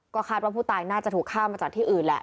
ก็คาดว่าผู้ตายน่าจะถูกฆ่ามาจากที่อื่นแหละ